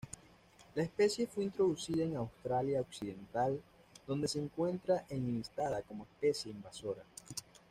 La especie fue introducida en Australia Occidental, donde se encuentra enlistada como especie invasora.